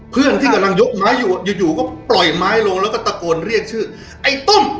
เพื่อนที่กำลังยกไม้อยู่อยู่ก็ปล่อยไม้ลงแล้วก็ตะโกนเรียกชื่อไอ้ต้ม